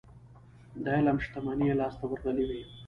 د علم شتمني يې لاسته ورغلې وي.